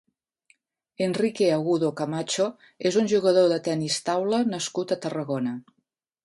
Enrique Agudo Camacho és un jugador de tennis taula nascut a Tarragona.